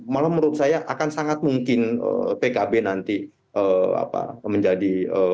malah menurut saya akan sangat mungkin pkb nanti menjadi